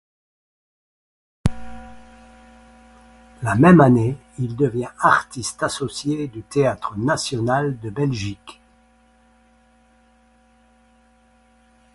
La même année, il devient artiste associé du Théâtre national de Belgique.